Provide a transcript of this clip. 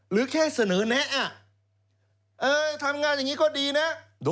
หรือแค่เสนอแนะทำงานอย่างนี้ก็ดีนะ